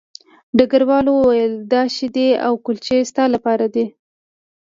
ډګروال وویل دا شیدې او کلچې ستا لپاره دي